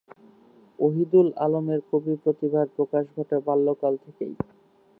ওহীদুল আলমের কবি-প্রতিভার প্রকাশ ঘটে বাল্যকাল থেকেই।